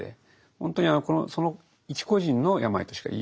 本当にその一個人の病としか言いようがないと。